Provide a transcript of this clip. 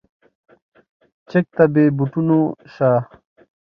چک ته بې بوټونو شه.